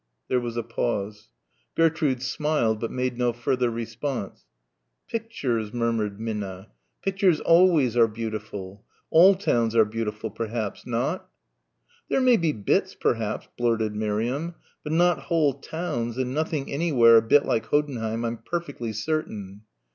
There was a pause. Gertrude smiled, but made no further response. "Peectures," murmured Minna. "Peectures always are beautiful. All towns are beautiful, perhaps. Not?" "There may be bits, perhaps," blurted Miriam, "but not whole towns and nothing anywhere a bit like Hoddenheim, I'm perfectly certain."